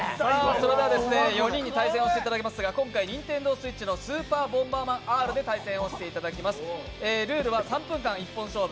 それでは４人に対戦していただきますが、今回ＮｉｎｔｅｎｄｏＳｗｉｔｃｈの「スーパーボンバーマンＲ」で対決していてただ来ます。